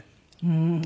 うん。